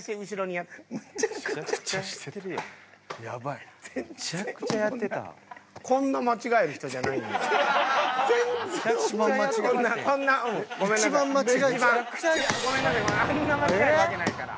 あんな間違えるわけないから。